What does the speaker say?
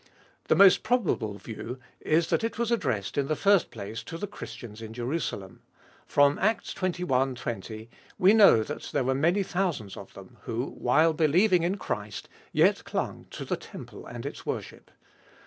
The most pro bable view is that it was addressed, in the first place, to the Christians in Jerusalem. From Acts xxi. 20, we know that there were many thousands of them, who, while believing in Christ, yet clung to the temple and its worship.